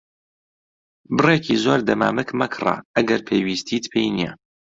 بڕێکی زۆر دەمامک مەکڕە ئەگەر پێویستیت پێی نییە.